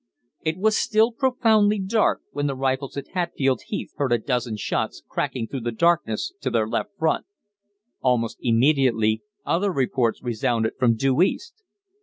It was still profoundly dark when the Rifles at Hatfield Heath heard a dozen shots cracking through the darkness to their left front. Almost immediately other reports resounded from due east.